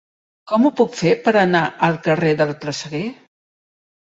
Com ho puc fer per anar al carrer del Presseguer?